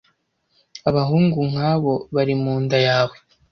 Abahungu nk'abo bari mu nda yawe,